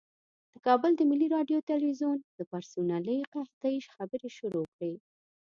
د کابل د ملي راډیو تلویزیون د پرسونلي قحطۍ خبرې شروع کړې.